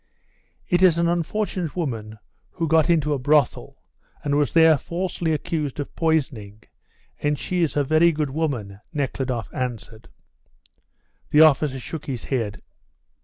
"It is an unfortunate woman who got into a brothel, and was there falsely accused of poisoning, and she is a very good woman," Nekhludoff answered. The officer shook his head.